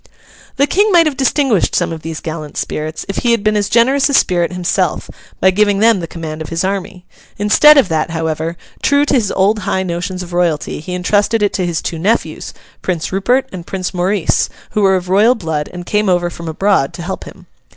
The King might have distinguished some of these gallant spirits, if he had been as generous a spirit himself, by giving them the command of his army. Instead of that, however, true to his old high notions of royalty, he entrusted it to his two nephews, Prince Rupert and Prince Maurice, who were of royal blood and came over from abroad to help him.